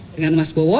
dengan mas bowo